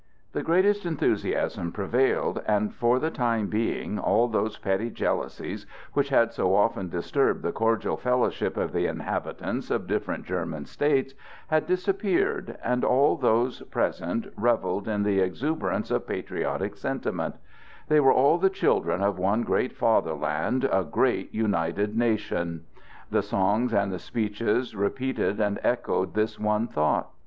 The greatest enthusiasm prevailed, and for the time being all those petty jealousies which had so often disturbed the cordial fellowship of the inhabitants of different German states had disappeared, and all those present revelled in the exuberance of patriotic sentiment; they were all the children of one great fatherland, a great united nation! The songs and the speeches repeated and echoed this one thought.